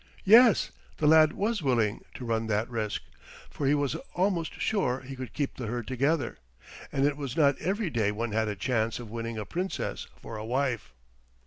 Yes, the lad was willing to run that risk, for he was almost sure he could keep the herd together, and it was not every day one had a chance of winning a Princess for a wife.